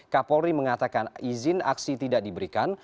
kapolri mengatakan izin aksi tidak diberikan